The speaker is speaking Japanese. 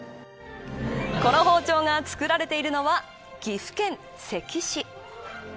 この包丁が作られているのが岐阜県関市。